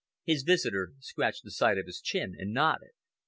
His visitor scratched the side of his chin and nodded.